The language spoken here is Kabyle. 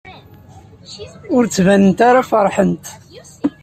Ur ttbanent ara feṛḥent.